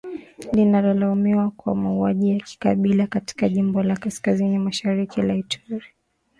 linalolaumiwa kwa mauaji ya kikabila katika jimbo la kaskazini mashariki la Ituri